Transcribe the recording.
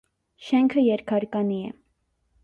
Շենքը երկհարկանի է։